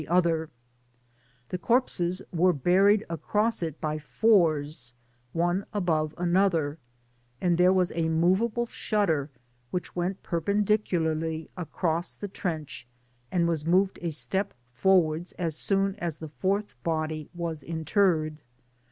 the other: the corpses were buried across it by fours, one above another, and there was a movable shutter which went perpendicularly across the trench, and was moved a step forward as soon as the fourth body was interred.